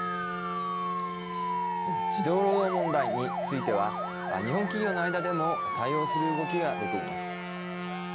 児童労働問題については日本企業の間でも対応する動きが出ています。